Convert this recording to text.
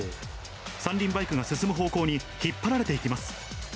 三輪バイクが進む方向に引っ張られていきます。